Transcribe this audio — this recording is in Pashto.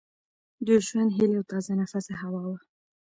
د ژوند هیلي او تازه نفس هوا وه